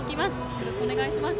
よろしくお願いします。